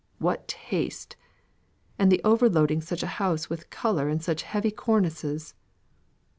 What taste! And the over loading such a house with colour and such heavy cornices!"